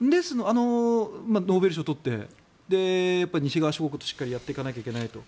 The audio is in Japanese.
ノーベル賞を取って西側諸国としっかりやっていかないといけないと。